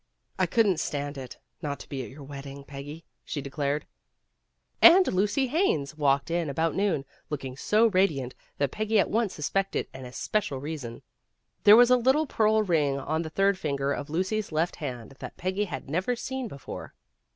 "I couldn't stand it, not to be at your wedding, Peggy," she declared. And Lucy Haines walked in about noon, looking so radiant that Peggy at once suspected an especial reason. There was a little pearl ring on the third finger of Lucy 's left hand that Peggy had never seen before.